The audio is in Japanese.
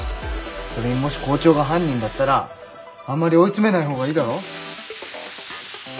それにもし校長が犯人だったらあんまり追い詰めない方がいいだろ？